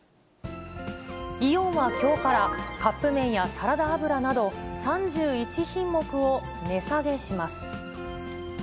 イオンはきょうから、カップ麺やサラダ油など、３１品目を値下げします。